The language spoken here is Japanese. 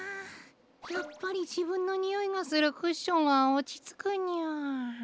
やっぱりじぶんのにおいがするクッションはおちつくニャ。